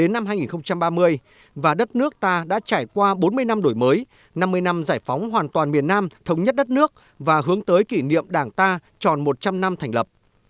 năm hai nghìn ba mươi và đất nước ta đã trải qua bốn mươi năm đổi mới năm mươi năm giải phóng hoàn toàn miền nam thống nhất đất nước và hướng tới kỷ niệm đảng ta tròn một trăm linh năm thành lập